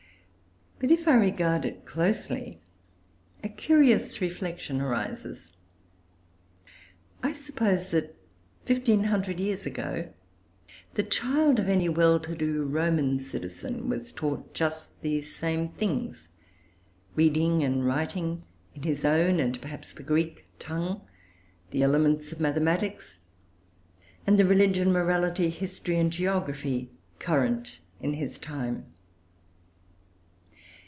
But if I regard it closely, a curious reflection arises. I suppose that, fifteen hundred years ago, the child of any well to do Roman citizen was taught just these same things; reading and writing in his own, and, perhaps, the Greek tongue; the elements of mathematics; and the religion, morality, history, and geography current in his time.